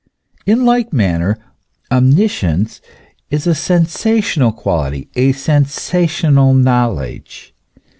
In like manner omniscience is a sensational quality, a sensational knowledge.